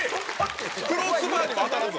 クロスバーにも当たらず。